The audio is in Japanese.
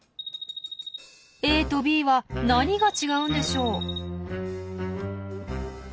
ＡとＢは何が違うんでしょう？